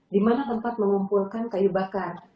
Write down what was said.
dimana tempat mengumpulkan kayu bakar